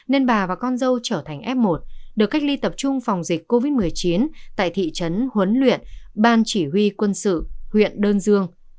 nên bà và con dâu trở thành f một được cách ly tập trung phòng dịch covid một mươi chín tại thị trấn huấn luyện ban chỉ huy quân sự huyện đơn dương